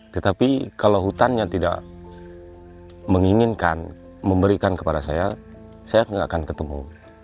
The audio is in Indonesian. tetapi kalau hutannya tidak menginginkan memberikan kepada saya saya tidak akan ketemu